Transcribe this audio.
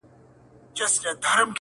دا ستا د مستو گوتو له سيتاره راوتلي,